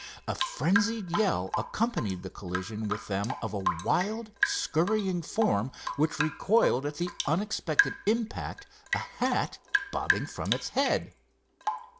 A frenzied yell accompanied the collision with them of a wild, scurrying form, which recoiled at the unexpected impact, a hat bobbing from its head.